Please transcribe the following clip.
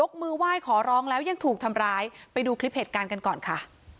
มือไหว้ขอร้องแล้วยังถูกทำร้ายไปดูคลิปเหตุการณ์กันก่อนค่ะ